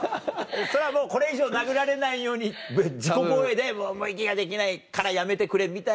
それはもうこれ以上殴られないように自己防衛でもう息ができないからやめてくれみたいな。